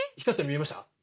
見えました。